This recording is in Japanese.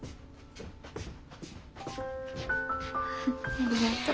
ありがとう。